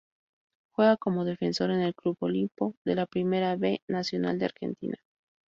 Juega como defensor en el Club Olimpo de la Primera B Nacional de Argentina.